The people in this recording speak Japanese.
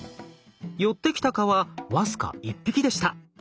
寄ってきた蚊は僅か１匹でした。